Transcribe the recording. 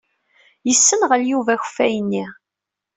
Yessenɣel Yuba akeffay-nni.